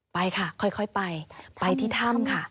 ไปค่ะค่อยไปไปที่ถ้ำค่ะ